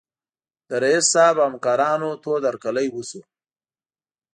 د رییس صیب او همکارانو تود هرکلی وشو.